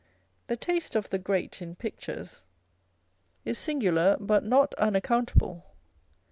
The taste of the Great in pictures is singular, but not unaccountable.